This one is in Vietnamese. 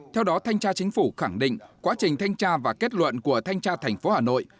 theo đó thanh tra chính phủ khẳng định quá trình thanh tra và kết luận của thanh tra tp hà nội